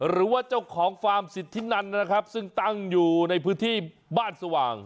หรือว่าเจ้าของฟาร์มสิทธินันนะครับซึ่งตั้งอยู่ในพื้นที่บ้านสว่าง